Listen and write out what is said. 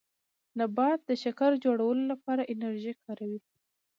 نبات د شکر جوړولو لپاره انرژي کاروي